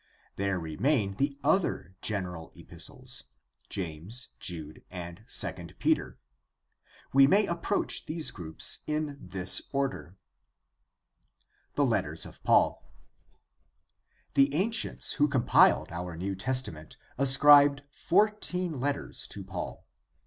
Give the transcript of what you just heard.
There remain the other general epistles, James, Jude, and II Peter. We may approach these groups in this order. i82 GUIDE TO STUDY OF CHRISTIAN RELIGION The letters of Paul. — ^The ancients who compiled our New Testament ascribed fourteen letters to Paul.